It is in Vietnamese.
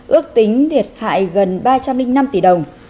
ước tính thiệt hại gần ba trăm linh năm tỷ đồng